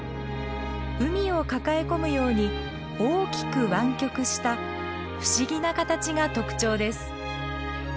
海を抱え込むように大きく湾曲した不思議な形が特徴です。